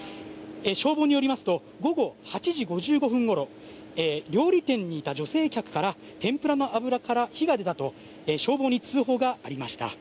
消防によりますと午後８時５５分ごろ料理店にいた女性客から天ぷらの油から火が出たと消防に通報がありました。